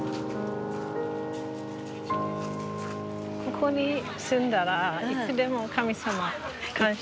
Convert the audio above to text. ここに住んだらいつでも神様感謝できる。